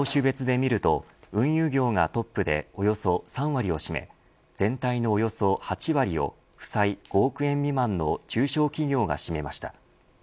業種別で見ると運輸業がトップでおよそ３割を占め全体のおよそ８割を負債５億円未満の中小企業が占めました。